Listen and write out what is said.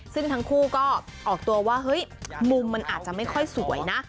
ซึ่งทั้งคู่ก็ออกตัวว่าเฮ้ยมุมมันอาจจะไม่ค่อยสวยนะ